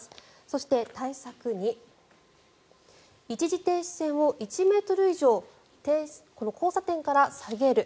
そして対策２一時停止線を１ｍ以上交差点から下げる。